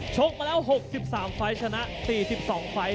ชกมาแล้ว๖๓ไฟล์ชนะ๔๒ไฟล์